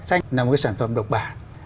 tranh là một cái sản phẩm độc bản